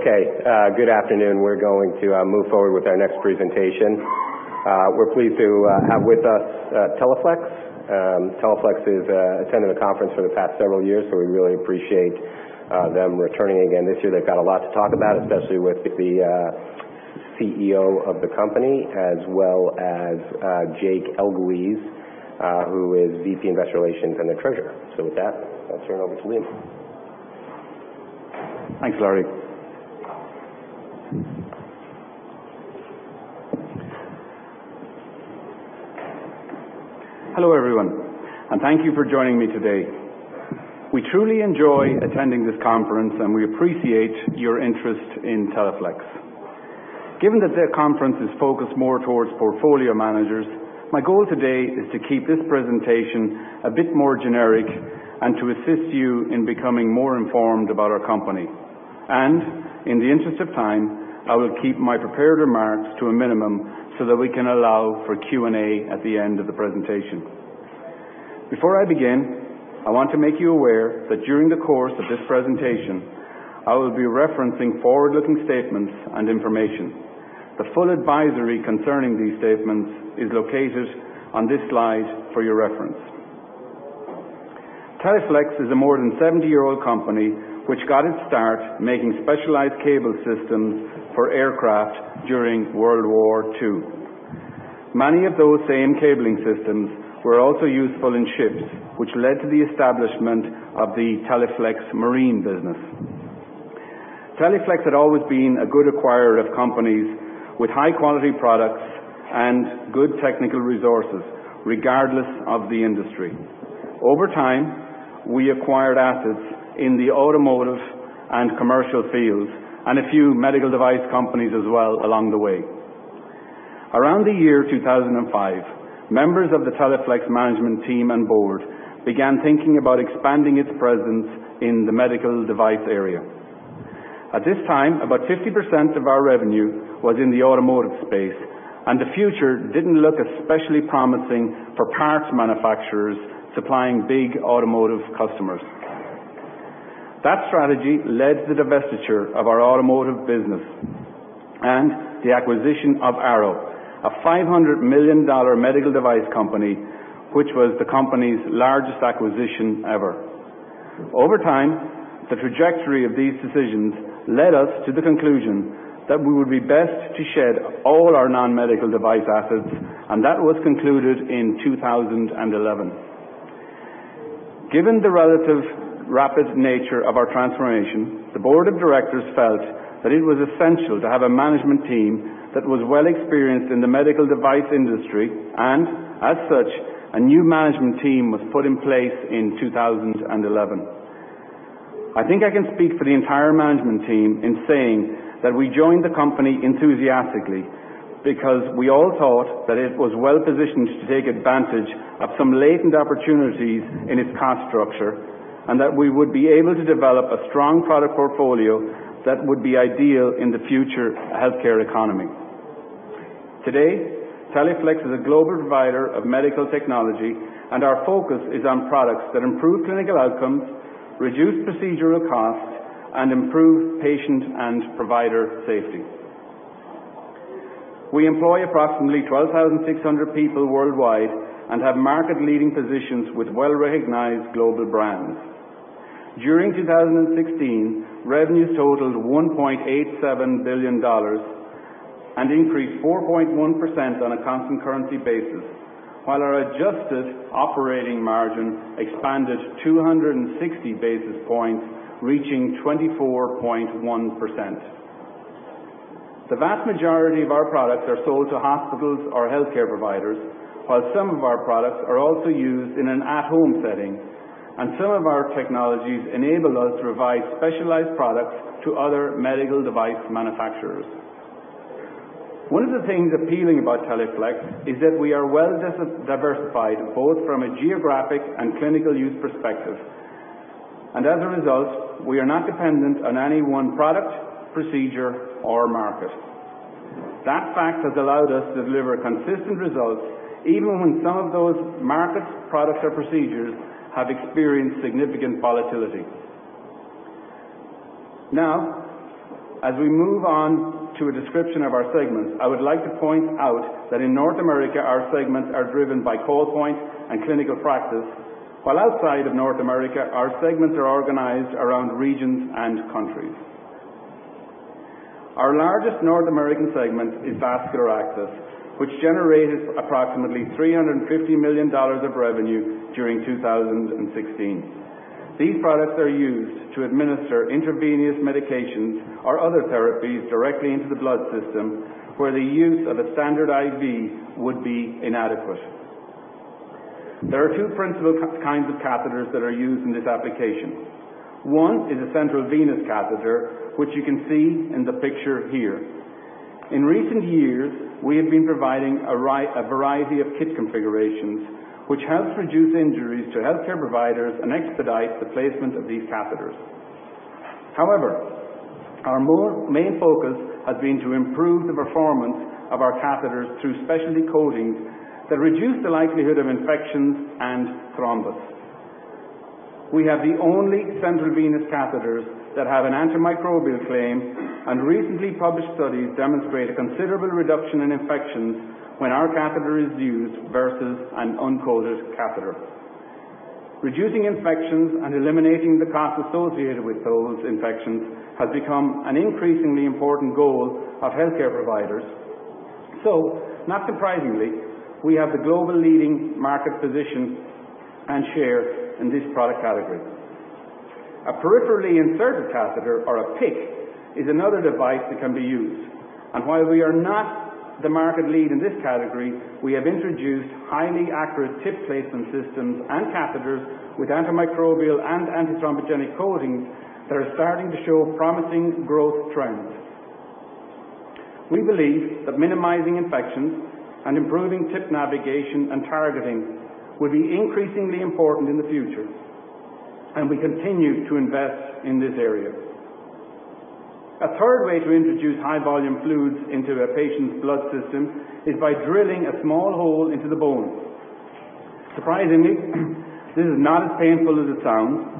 Good afternoon. We're going to move forward with our next presentation. We're pleased to have with us Teleflex. Teleflex has attended the conference for the past several years. We really appreciate them returning again this year. They've got a lot to talk about, especially with the CEO of the company, as well as Jake Elguicze, who is VP Investor Relations and the Treasurer. With that, I'll turn it over to Liam. Thanks, Larry. Hello, everyone. Thank you for joining me today. We truly enjoy attending this conference. We appreciate your interest in Teleflex. Given that the conference is focused more towards portfolio managers, my goal today is to keep this presentation a bit more generic and to assist you in becoming more informed about our company. In the interest of time, I will keep my prepared remarks to a minimum so that we can allow for Q&A at the end of the presentation. Before I begin, I want to make you aware that during the course of this presentation, I will be referencing forward-looking statements and information. The full advisory concerning these statements is located on this slide for your reference. Teleflex is a more than 70-year-old company, which got its start making specialized cable systems for aircraft during World War II. Many of those same cabling systems were also useful in ships, which led to the establishment of the Teleflex marine business. Teleflex had always been a good acquirer of companies with high-quality products and good technical resources, regardless of the industry. Over time, we acquired assets in the automotive and commercial fields, a few medical device companies as well along the way. Around the year 2005, members of the Teleflex management team and board began thinking about expanding its presence in the medical device area. At this time, about 50% of our revenue was in the automotive space. The future didn't look especially promising for parts manufacturers supplying big automotive customers. That strategy led to the divestiture of our automotive business and the acquisition of Arrow, a $500 million medical device company, which was the company's largest acquisition ever. Over time, the trajectory of these decisions led us to the conclusion that we would be best to shed all our non-medical device assets. That was concluded in 2011. Given the relative rapid nature of our transformation, the board of directors felt that it was essential to have a management team that was well experienced in the medical device industry. As such, a new management team was put in place in 2011. I think I can speak for the entire management team in saying that we joined the company enthusiastically because we all thought that it was well-positioned to take advantage of some latent opportunities in its cost structure. That we would be able to develop a strong product portfolio that would be ideal in the future healthcare economy. Today, Teleflex is a global provider of medical technology. Our focus is on products that improve clinical outcomes, reduce procedural costs, and improve patient and provider safety. We employ approximately 12,600 people worldwide and have market-leading positions with well-recognized global brands. During 2016, revenues totaled $1.87 billion and increased 4.1% on a constant currency basis, while our adjusted operating margin expanded 260 basis points, reaching 24.1%. The vast majority of our products are sold to hospitals or healthcare providers, while some of our products are also used in an at-home setting. Some of our technologies enable us to provide specialized products to other medical device manufacturers. One of the things appealing about Teleflex is that we are well-diversified, both from a geographic and clinical use perspective. As a result, we are not dependent on any one product, procedure, or market. That fact has allowed us to deliver consistent results even when some of those markets, products, or procedures have experienced significant volatility. As we move on to a description of our segments, I would like to point out that in North America, our segments are driven by call point and clinical practice, while outside of North America, our segments are organized around regions and countries. Our largest North American segment is vascular access, which generated approximately $350 million of revenue during 2016. These products are used to administer intravenous medications or other therapies directly into the blood system where the use of a standard IV would be inadequate. There are two principal kinds of catheters that are used in this application. One is a central venous catheter, which you can see in the picture here. In recent years, we have been providing a variety of kit configurations, which helps reduce injuries to healthcare providers and expedite the placement of these catheters. However, our main focus has been to improve the performance of our catheters through specialty coatings that reduce the likelihood of infections and thrombus. We have the only central venous catheters that have an antimicrobial claim. Recently published studies demonstrate a considerable reduction in infections when our catheter is used versus an uncoated catheter. Reducing infections and eliminating the cost associated with those infections has become an increasingly important goal of healthcare providers. Not surprisingly, we have the global leading market position and share in this product category. A peripherally inserted catheter, or a PICC, is another device that can be used. While we are not the market lead in this category, we have introduced highly accurate tip placement systems and catheters with antimicrobial and antithrombogenic coatings that are starting to show promising growth trends. We believe that minimizing infections and improving tip navigation and targeting will be increasingly important in the future. We continue to invest in this area. A third way to introduce high volume fluids into a patient's blood system is by drilling a small hole into the bone. Surprisingly, this is not as painful as it sounds,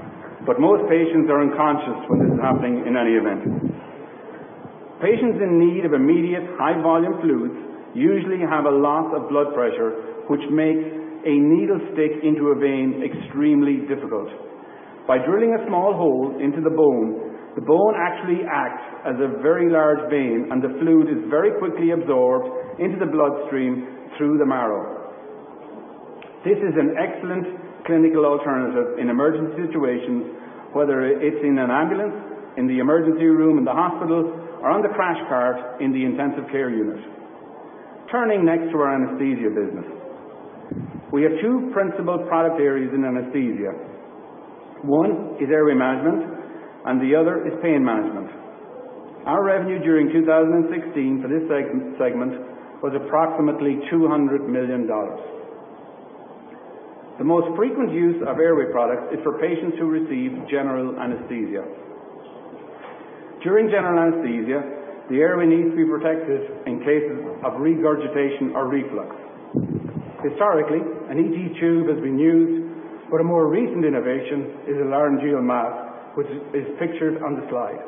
but most patients are unconscious when this is happening in any event. Patients in need of immediate high volume fluids usually have a loss of blood pressure, which makes a needle stick into a vein extremely difficult. By drilling a small hole into the bone, the bone actually acts as a very large vein, and the fluid is very quickly absorbed into the bloodstream through the marrow. This is an excellent clinical alternative in emergency situations, whether it's in an ambulance, in the emergency room, in the hospital, or on the crash cart in the intensive care unit. Turning next to our anesthesia business. We have two principal product areas in anesthesia. One is airway management and the other is pain management. Our revenue during 2016 for this segment was approximately $200 million. The most frequent use of airway products is for patients who receive general anesthesia. During general anesthesia, the airway needs to be protected in cases of regurgitation or reflux. Historically, an ET tube has been used, but a more recent innovation is a laryngeal mask, which is pictured on the slide.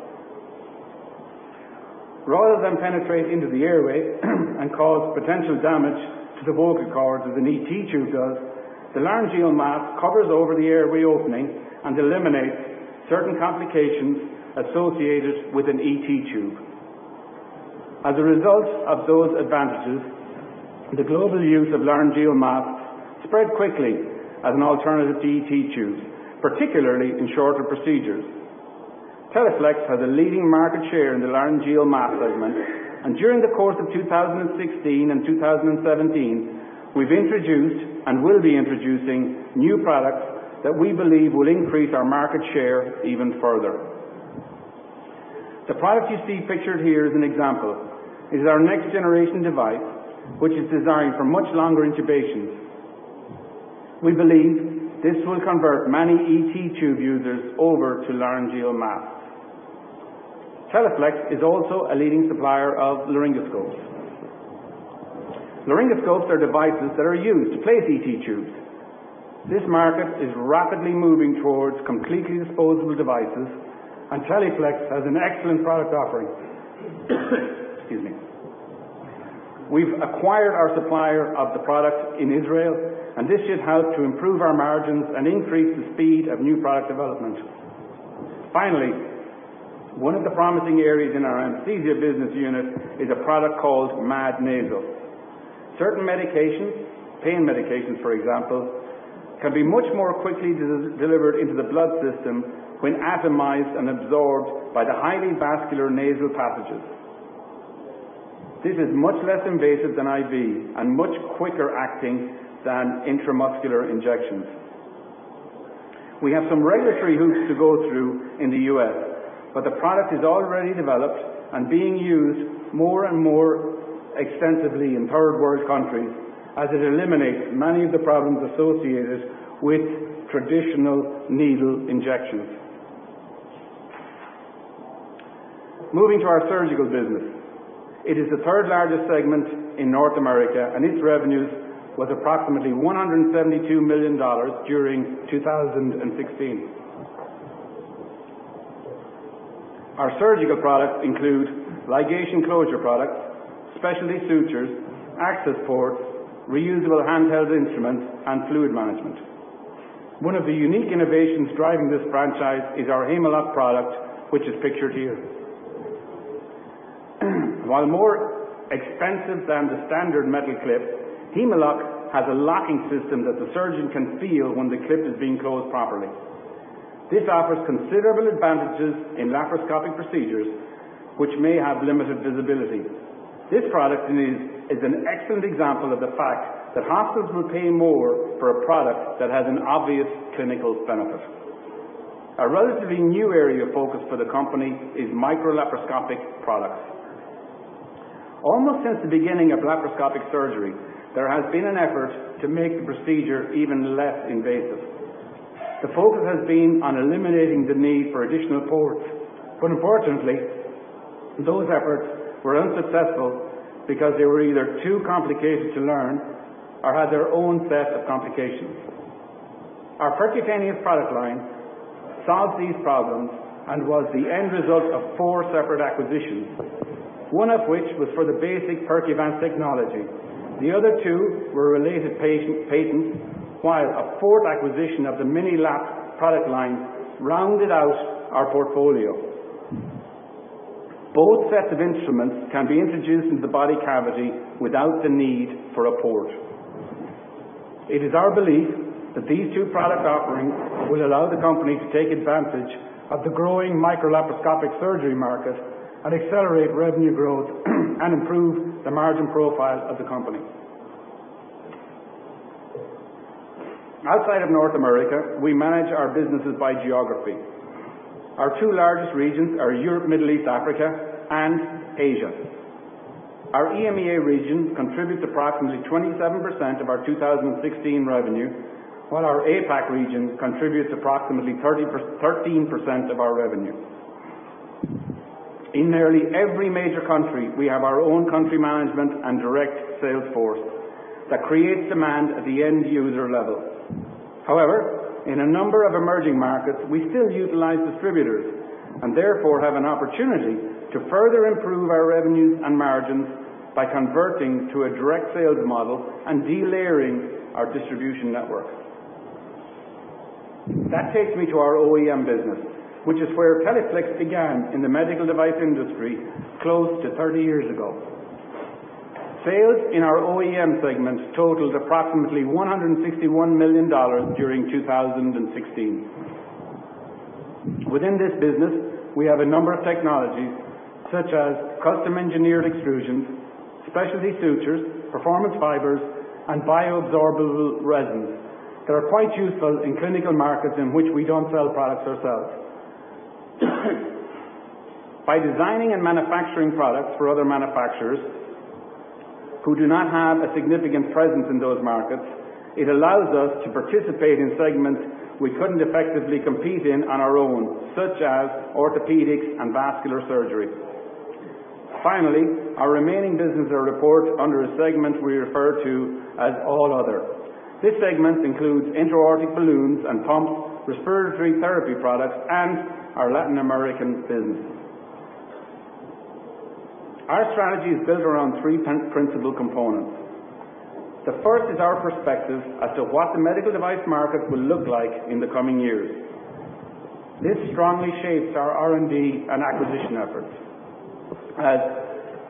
Rather than penetrate into the airway and cause potential damage to the vocal cords as an ET tube does, the laryngeal mask covers over the airway opening and eliminates certain complications associated with an ET tube. As a result of those advantages, the global use of laryngeal masks spread quickly as an alternative to ET tubes, particularly in shorter procedures. Teleflex has a leading market share in the laryngeal mask segment, and during the course of 2016 and 2017, we've introduced and will be introducing new products that we believe will increase our market share even further. The product you see pictured here is an example. It is our next generation device, which is designed for much longer intubations. We believe this will convert many ET tube users over to laryngeal masks. Teleflex is also a leading supplier of laryngoscopes. Laryngoscopes are devices that are used to place ET tubes. This market is rapidly moving towards completely disposable devices, and Teleflex has an excellent product offering. Excuse me. We've acquired our supplier of the product in Israel, and this should help to improve our margins and increase the speed of new product development. Finally, one of the promising areas in our anesthesia business unit is a product called MAD Nasal. Certain medications, pain medications, for example, can be much more quickly delivered into the blood system when atomized and absorbed by the highly vascular nasal passages. This is much less invasive than IV and much quicker acting than intramuscular injections. We have some regulatory hoops to go through in the U.S., but the product is already developed and being used more and more extensively in third world countries as it eliminates many of the problems associated with traditional needle injections. Moving to our surgical business. It is the third largest segment in North America, and its revenues was approximately $172 million during 2016. Our surgical products include ligation closure products, specialty sutures, access ports, reusable handheld instruments, and fluid management. One of the unique innovations driving this franchise is our Hem-o-lok product, which is pictured here. While more expensive than the standard metal clip, Hem-o-lok has a locking system that the surgeon can feel when the clip is being closed properly. This offers considerable advantages in laparoscopic procedures, which may have limited visibility. This product is an excellent example of the fact that hospitals will pay more for a product that has an obvious clinical benefit. A relatively new area of focus for the company is microlaparoscopic products. Almost since the beginning of laparoscopic surgery, there has been an effort to make the procedure even less invasive. The focus has been on eliminating the need for additional ports. Unfortunately, those efforts were unsuccessful because they were either too complicated to learn or had their own set of complications. Our percutaneous product line solved these problems and was the end result of four separate acquisitions, one of which was for the basic Percuvance technology. The other two were related patents, while a fourth acquisition of the MiniLap product line rounded out our portfolio. Both sets of instruments can be introduced into the body cavity without the need for a port. It is our belief that these two product offerings will allow the company to take advantage of the growing microlaparoscopic surgery market and accelerate revenue growth and improve the margin profile of the company. Outside of North America, we manage our businesses by geography. Our two largest regions are Europe, Middle East, Africa, and Asia. Our EMEA region contributes approximately 27% of our 2016 revenue, while our APAC region contributes approximately 13% of our revenue. In nearly every major country, we have our own country management and direct sales force that creates demand at the end-user level. However, in a number of emerging markets, we still utilize distributors, and therefore have an opportunity to further improve our revenues and margins by converting to a direct sales model and delayering our distribution network. That takes me to our OEM business, which is where Teleflex began in the medical device industry close to 30 years ago. Sales in our OEM segment totaled approximately $161 million during 2016. Within this business, we have a number of technologies such as custom-engineered extrusions, specialty sutures, performance fibers, and bioabsorbable resins that are quite useful in clinical markets in which we don't sell products ourselves. By designing and manufacturing products for other manufacturers who do not have a significant presence in those markets, it allows us to participate in segments we couldn't effectively compete in on our own, such as orthopedics and vascular surgery. Finally, our remaining businesses are reported under a segment we refer to as All Other. This segment includes intra-aortic balloons and pumps, respiratory therapy products, and our Latin American business. Our strategy is built around three principal components. The first is our perspective as to what the medical device market will look like in the coming years. This strongly shapes our R&D and acquisition efforts.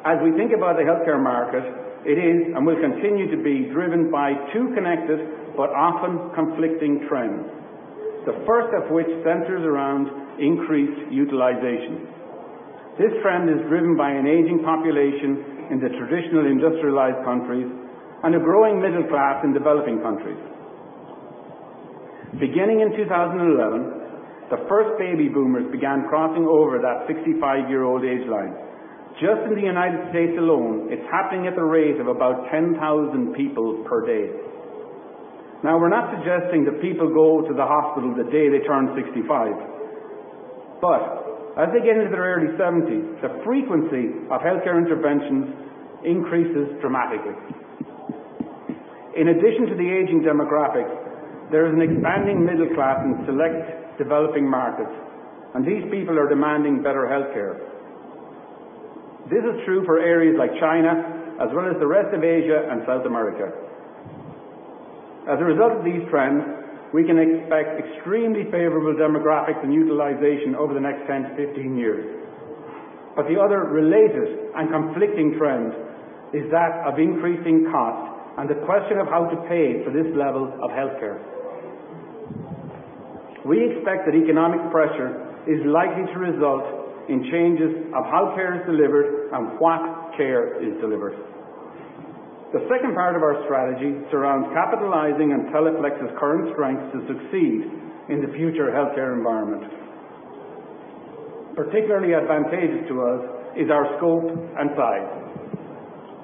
As we think about the healthcare market, it is and will continue to be driven by two connected but often conflicting trends, the first of which centers around increased utilization. This trend is driven by an aging population in the traditional industrialized countries and a growing middle class in developing countries. Beginning in 2011, the first baby boomers began crossing over that 65-year-old age line. Just in the United States alone, it's happening at the rate of about 10,000 people per day. We're not suggesting that people go to the hospital the day they turn 65. As they get into their early 70s, the frequency of healthcare interventions increases dramatically. In addition to the aging demographics, there is an expanding middle class in select developing markets. These people are demanding better healthcare. This is true for areas like China as well as the rest of Asia and South America. As a result of these trends, we can expect extremely favorable demographics and utilization over the next 10 to 15 years. The other related and conflicting trend is that of increasing cost and the question of how to pay for this level of healthcare. We expect that economic pressure is likely to result in changes of how care is delivered and what care is delivered. The second part of our strategy surrounds capitalizing on Teleflex's current strengths to succeed in the future healthcare environment. Particularly advantageous to us is our scope and size.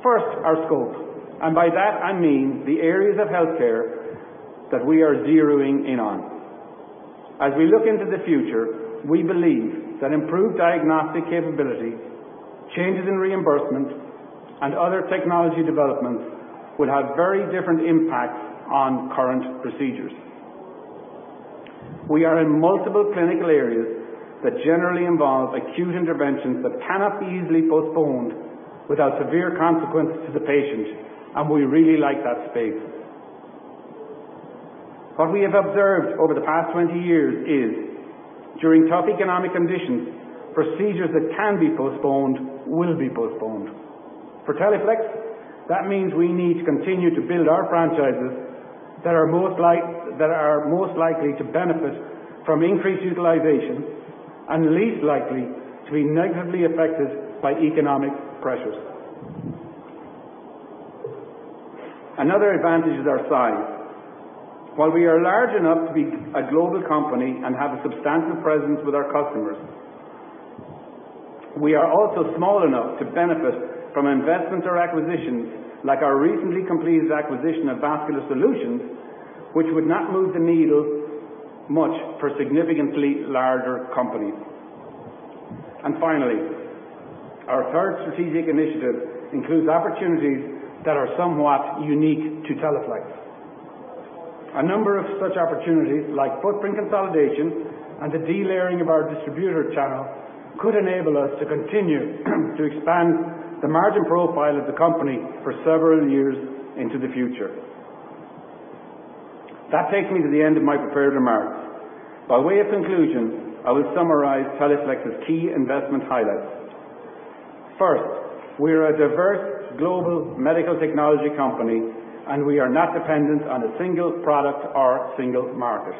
First, our scope, and by that, I mean the areas of healthcare that we are zeroing in on. As we look into the future, we believe that improved diagnostic capabilities, changes in reimbursement, and other technology developments will have very different impacts on current procedures. We are in multiple clinical areas that generally involve acute interventions that cannot be easily postponed without severe consequences to the patient, and we really like that space. What we have observed over the past 20 years is during tough economic conditions, procedures that can be postponed will be postponed. For Teleflex, that means we need to continue to build our franchises that are most likely to benefit from increased utilization and least likely to be negatively affected by economic pressures. Another advantage is our size. While we are large enough to be a global company and have a substantial presence with our customers, we are also small enough to benefit from investments or acquisitions like our recently completed acquisition of Vascular Solutions, which would not move the needle much for significantly larger companies. Finally, our third strategic initiative includes opportunities that are somewhat unique to Teleflex. A number of such opportunities, like footprint consolidation and the delayering of our distributor channel, could enable us to continue to expand the margin profile of the company for several years into the future. That takes me to the end of my prepared remarks. By way of conclusion, I will summarize Teleflex's key investment highlights. First, we are a diverse global medical technology company, and we are not dependent on a single product or single market.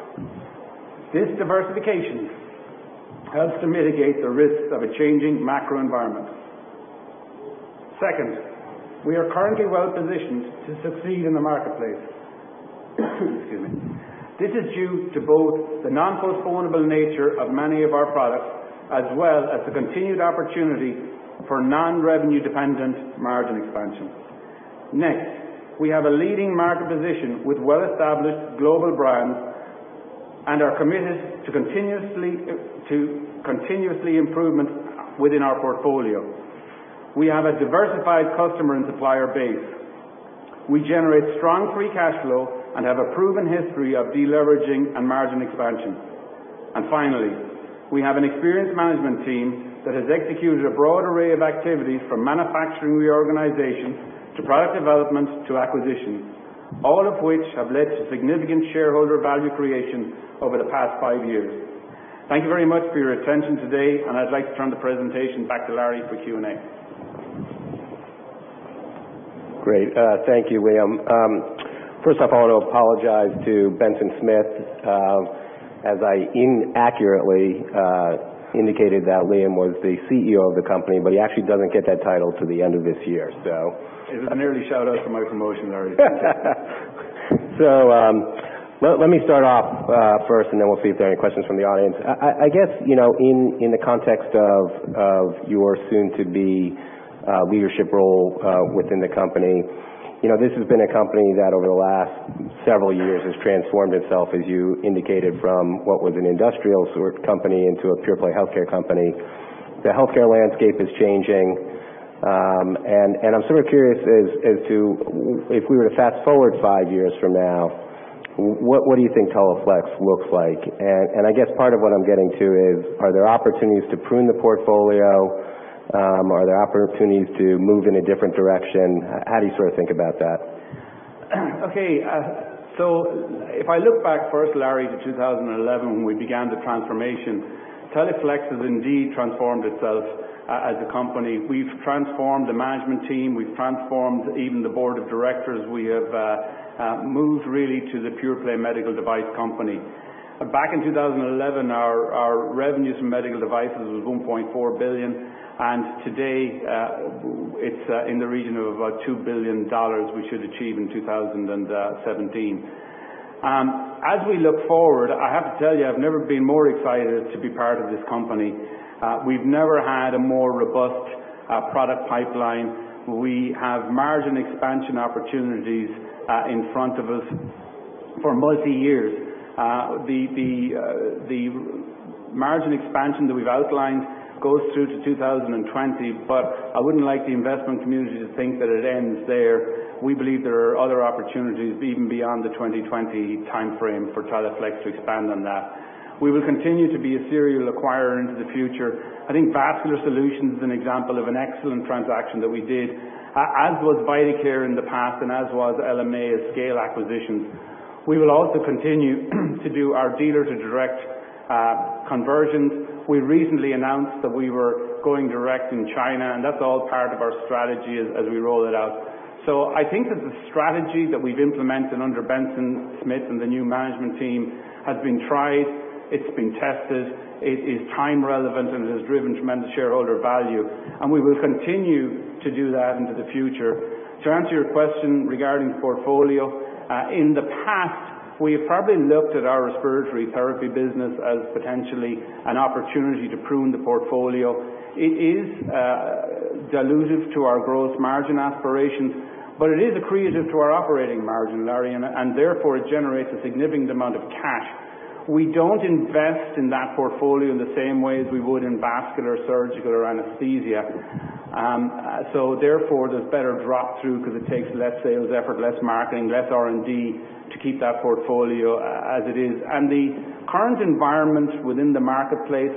This diversification helps to mitigate the risks of a changing macro environment. Second, we are currently well positioned to succeed in the marketplace. Excuse me. This is due to both the non-postponable nature of many of our products, as well as the continued opportunity for non-revenue dependent margin expansion. Next, we have a leading market position with well-established global brands and are committed to continuously improvement within our portfolio. We have a diversified customer and supplier base. We generate strong free cash flow and have a proven history of deleveraging and margin expansion. Finally, we have an experienced management team that has executed a broad array of activities from manufacturing reorganization to product development to acquisition, all of which have led to significant shareholder value creation over the past five years. Thank you very much for your attention today, and I'd like to turn the presentation back to Larry for Q&A. Great. Thank you, Liam. First off, I want to apologize to Benson Smith, as I inaccurately indicated that Liam was the CEO of the company, but he actually doesn't get that title till the end of this year. It was an early shout-out for my promotion. I appreciate it. Let me start off first, and then we'll see if there are any questions from the audience. I guess, in the context of your soon-to-be leadership role within the company, this has been a company that over the last several years has transformed itself, as you indicated, from what was an industrial sort of company into a pure-play healthcare company. The healthcare landscape is changing. I'm sort of curious as to if we were to fast-forward 5 years from now, what do you think Teleflex looks like? I guess part of what I'm getting to is, are there opportunities to prune the portfolio? Are there opportunities to move in a different direction? How do you sort of think about that? Okay. If I look back first, Larry, to 2011 when we began the transformation, Teleflex has indeed transformed itself as a company. We've transformed the management team. We've transformed even the board of directors. We have moved really to the pure-play medical device company. Back in 2011, our revenues from medical devices was $1.4 billion, and today it's in the region of about $2 billion we should achieve in 2017. As we look forward, I have to tell you, I've never been more excited to be part of this company. We've never had a more robust product pipeline. We have margin expansion opportunities in front of us for multi-years. The margin expansion that we've outlined goes through to 2020, I wouldn't like the investment community to think that it ends there. We believe there are other opportunities even beyond the 2020 timeframe for Teleflex to expand on that. We will continue to be a serial acquirer into the future. I think Vascular Solutions is an example of an excellent transaction that we did, as was Vidacare in the past and as was LMA, a scale acquisition. We will also continue to do our dealer-to-direct conversions. We recently announced that we were going direct in China, and that's all part of our strategy as we roll it out. I think that the strategy that we've implemented under Benson Smith and the new management team has been tried, it's been tested, it is time relevant, and it has driven tremendous shareholder value, and we will continue to do that into the future. To answer your question regarding portfolio, in the past, we have probably looked at our respiratory therapy business as potentially an opportunity to prune the portfolio. It is dilutive to our growth margin aspirations, but it is accretive to our operating margin, Larry, and therefore it generates a significant amount of cash. We don't invest in that portfolio in the same way as we would in vascular, surgical, or anesthesia. Therefore, there's better drop through because it takes less sales effort, less marketing, less R&D to keep that portfolio as it is. The current environment within the marketplace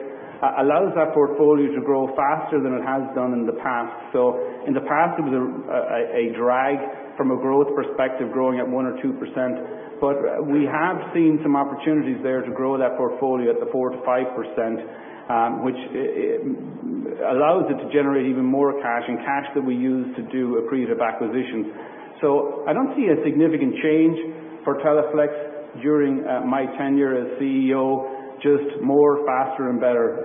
allows that portfolio to grow faster than it has done in the past. In the past, it was a drag from a growth perspective, growing at 1% or 2%. We have seen some opportunities there to grow that portfolio at the 4%-5%, which allows it to generate even more cash and cash that we use to do accretive acquisitions. I don't see a significant change for Teleflex during my tenure as CEO, just more, faster, and better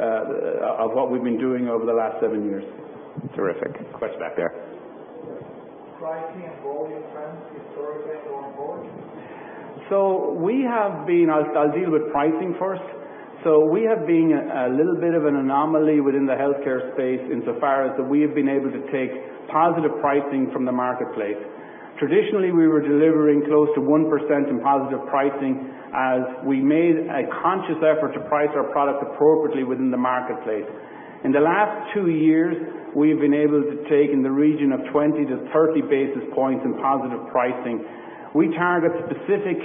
of what we've been doing over the last seven years. Terrific. Question back there. Pricing and volume trends historically have gone forward? I'll deal with pricing first. We have been a little bit of an anomaly within the healthcare space insofar as that we have been able to take positive pricing from the marketplace. Traditionally, we were delivering close to 1% in positive pricing as we made a conscious effort to price our products appropriately within the marketplace. In the last two years, we've been able to take in the region of 20-30 basis points in positive pricing. We target specific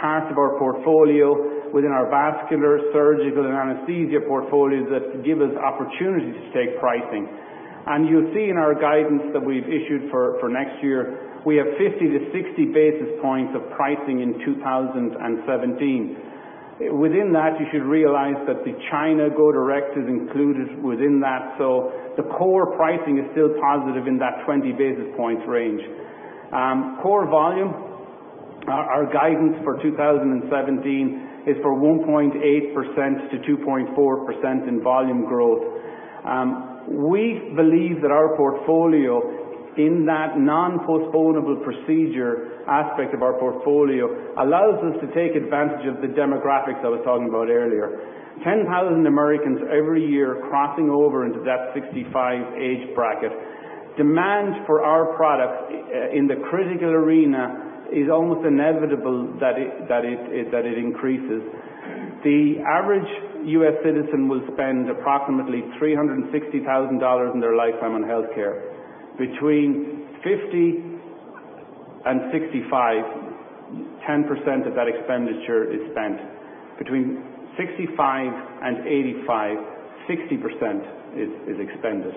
parts of our portfolio within our Vascular, surgical, and anesthesia portfolios that give us opportunities to take pricing. You'll see in our guidance that we've issued for next year, we have 50-60 basis points of pricing in 2017. Within that, you should realize that the China go direct is included within that, the core pricing is still positive in that 20 basis points range. Core volume, our guidance for 2017 is for 1.8%-2.4% in volume growth. We believe that our portfolio, in that non-postponable procedure aspect of our portfolio, allows us to take advantage of the demographics I was talking about earlier. 10,000 Americans every year are crossing over into that 65 age bracket. Demand for our product in the critical arena is almost inevitable that it increases. The average U.S. citizen will spend approximately $360,000 in their lifetime on healthcare. Between 50 and 65, 10% of that expenditure is spent. Between 65 and 85, 60% is expended.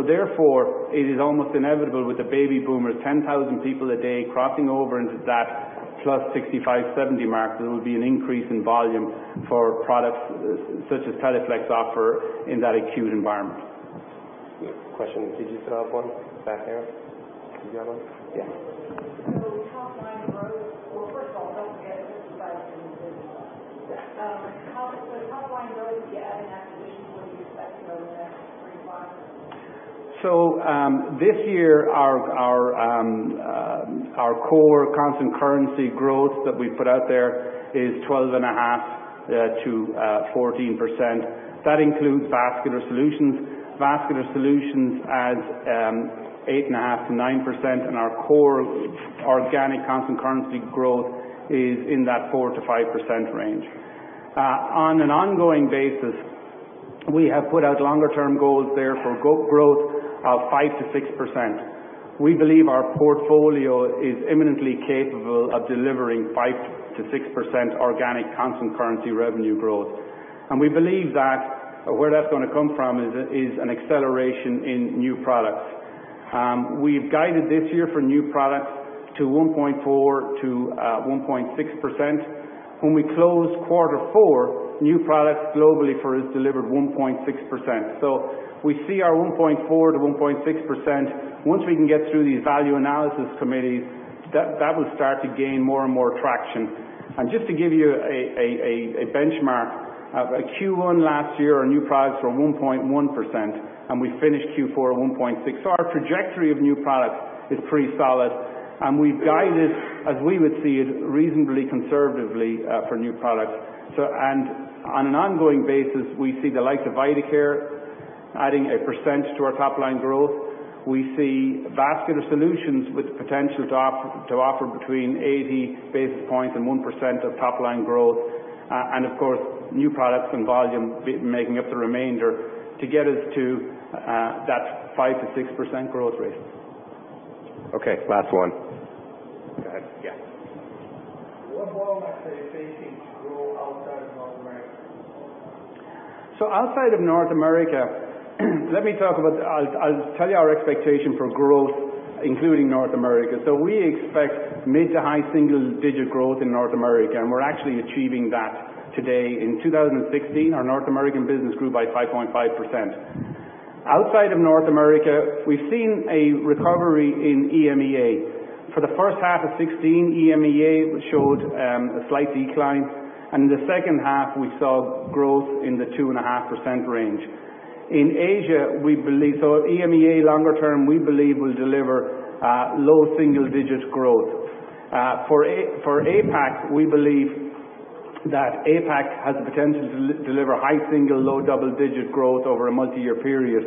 Therefore, it is almost inevitable with the baby boomers, 10,000 people a day crossing over into that plus 65, 70 mark, there will be an increase in volume for products such as Teleflex offer in that acute environment. Question. Did you still have one back there? Did you have one? Yeah. Top line growth. Well, first of all, don't forget. Yeah. Top line growth, yeah, and activation, what do you expect over the next three to five years? This year, our core constant currency growth that we put out there is 12.5%-14%. That includes Vascular Solutions. Vascular Solutions adds 8.5%-9%, and our core organic constant currency growth is in that 4%-5% range. On an ongoing basis, we have put out longer-term goals there for growth of 5%-6%. We believe our portfolio is imminently capable of delivering 5%-6% organic constant currency revenue growth. We believe that where that's going to come from is an acceleration in new products. We've guided this year for new products to 1.4%-1.6%. When we closed quarter four, new products globally for us delivered 1.6%. We see our 1.4%-1.6%, once we can get through these value analysis committees, that will start to gain more and more traction. Just to give you a benchmark, Q1 last year, our new products were 1.1%, and we finished Q4 at 1.6%. Our trajectory of new products is pretty solid, and we've guided, as we would see it, reasonably conservatively for new products. On an ongoing basis, we see the likes of Vidacare adding 1% to our top-line growth. We see Vascular Solutions with potential to offer between 80 basis points and 1% of top-line growth. Of course, new products and volume making up the remainder to get us to that 5%-6% growth rate. Okay, last one. Go ahead. Yeah. What volume are you expecting to grow outside North America? Outside of North America, let me talk about, I'll tell you our expectation for growth, including North America. We expect mid to high single-digit growth in North America, and we're actually achieving that today. In 2016, our North American business grew by 5.5%. Outside of North America, we've seen a recovery in EMEA. For the first half of 2016, EMEA showed a slight decline. In the second half, we saw growth in the 2.5% range. In Asia, we believe EMEA longer term, we believe will deliver low single-digit growth. For APAC, we believe that APAC has the potential to deliver high single, low double-digit growth over a multi-year period.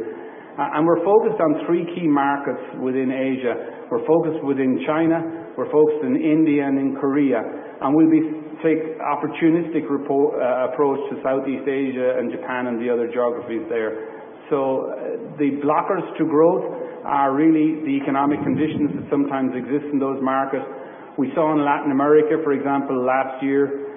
We're focused on three key markets within Asia. We're focused within China, we're focused in India and in Korea, and we'll be take opportunistic approach to Southeast Asia and Japan and the other geographies there. The blockers to growth are really the economic conditions that sometimes exist in those markets. We saw in Latin America, for example, last year,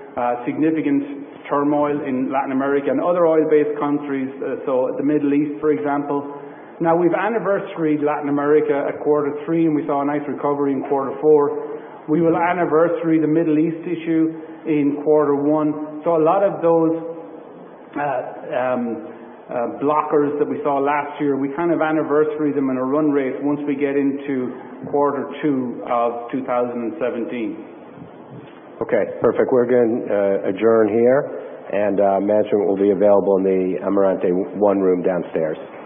significant turmoil in Latin America and other oil-based countries, the Middle East, for example. We've anniversaried Latin America at quarter three, and we saw a nice recovery in quarter four. We will anniversary the Middle East issue in quarter one. A lot of those blockers that we saw last year, we kind of anniversary them in a run rate once we get into quarter two of 2017. Okay, perfect. We're going to adjourn here and management will be available in the Amarante One room downstairs.